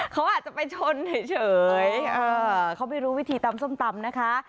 เขาอาจจะไปชนเฉยเขาไม่รู้วิธีตำส้มตำนะคะ